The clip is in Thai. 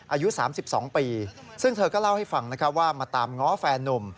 อายุ๓๒ปีซึ่งเธอก็เล่าให้ฟังนะครับว่ามาตามง้อแฟนนุ่ม